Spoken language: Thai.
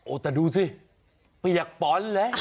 โอ้แต่ดูสิเปียกปอนด์แหละ